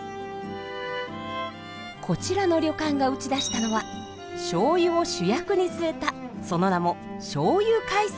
こちらの旅館が打ち出したのはしょうゆを主役に据えたその名も「醤油会席」。